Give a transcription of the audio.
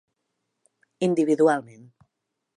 Individualment.